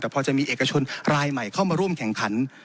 แต่พอจะมีเอกชนรายใหม่เข้ามาร่วมแข่งขัน